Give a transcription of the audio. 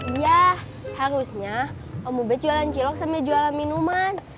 iya harusnya om ubed jualan cilok sambil jualan minuman